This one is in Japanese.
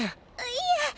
いえ。